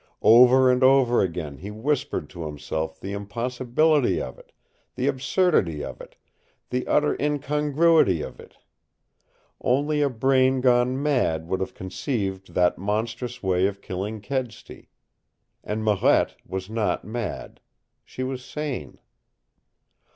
Over and over again he whispered to himself the impossibility of it, the absurdity of it, the utter incongruity of it. Only a brain gone mad would have conceived that monstrous way of killing Kedsty. And Marette was not mad. She was sane.